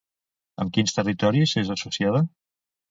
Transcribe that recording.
Amb quins territoris és associada?